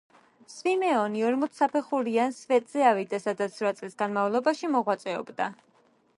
სვიმეონი ორმოც საფეხურიან სვეტზე ავიდა, სადაც რვა წლის განმავლობაში მოღვაწეობდა.